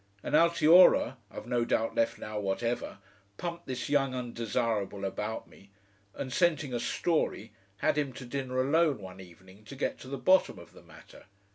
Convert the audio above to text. And Altiora, I've no doubt left now whatever, pumped this young undesirable about me, and scenting a story, had him to dinner alone one evening to get to the bottom of the matter.